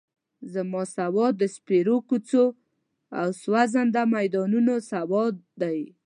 زما سواد د سپېرو کوڅو او سوځنده میدانونو سواد دی.